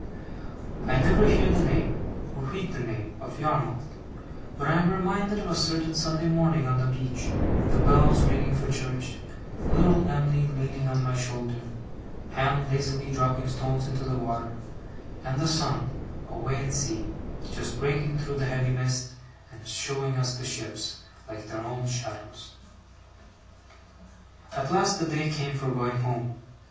I never hear the name, or read the name, of Yarmouth, but I am reminded of a certain Sunday morning on the beach, the bells ringing for church, little Em'ly leaning on my shoulder, Ham lazily dropping stones into the water, and the sun, away at sea, just breaking through the heavy mist, and showing us the ships, like their own shadows. At last the day came for going home.